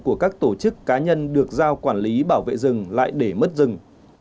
của các tổ chức cá nhân được giao quản lý bảo vệ rừng lại để mất rừng